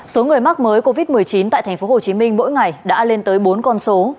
số người mắc mới covid một mươi chín tại tp hcm mỗi ngày đã lên tới bốn con số